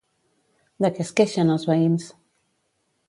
De què es queixen els veïns?